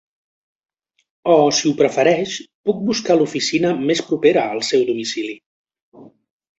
O si ho prefereix, puc buscar l'oficina més propera al seu domicili.